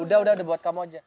udah udah buat kamu aja